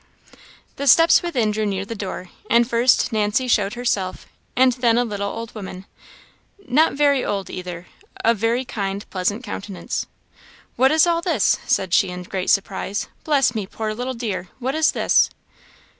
The steps within drew near the door, and first Nancy showed herself, and then a little old woman not very old, either of very kind, pleasant countenance. "What is all this?" said she, in great surprise. "Bless me! poor little dear! what is this?"